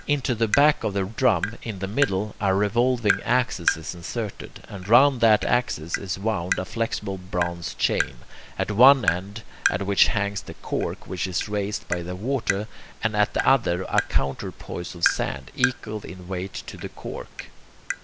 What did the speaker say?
Into the back of the drum, in the middle, a revolving axis is inserted, and round that axis is wound a flexible bronze chain, at one end of which hangs the "cork" which is raised by the water, and at the other a counterpoise of sand, equal in weight to the "cork."